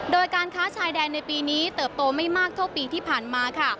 โดยการค้าชายแดนในปีนี้เติบโตไม่มากเท่าปีที่ผ่านมาค่ะ